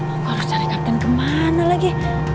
aku harus cari kapten kemana lagi